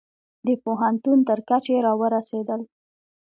د پوهنتون تر کچې را ورسیدل